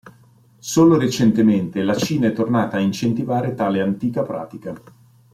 Solo recentemente, la Cina è tornata ad incentivare tale antica pratica.